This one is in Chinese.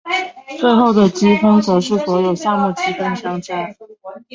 最后的积分则是所有项目积分相加。